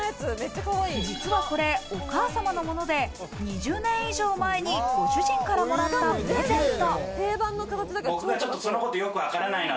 実はこれ、お母様のもので、２０年以上前にご主人からもらったプレゼント。